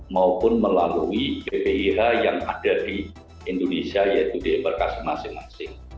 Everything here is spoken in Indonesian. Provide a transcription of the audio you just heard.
maupun melalui bpih yang ada di indonesia yaitu di embarkasi masing masing